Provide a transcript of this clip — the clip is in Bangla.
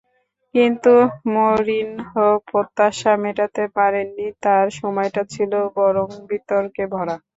কিন্তু মরিনহো প্রত্যাশা মেটাতে পারেননি, তাঁর সময়টা ছিল বরং বিতর্কে ভরা।